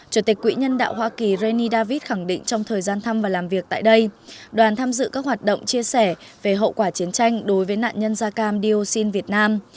chủ tịch quỹ nhân đạo hoa kỳ reni david khẳng định trong thời gian thăm và làm việc tại đây đoàn tham dự các hoạt động chia sẻ về hậu quả chiến tranh đối với nạn nhân da cam dioxin việt nam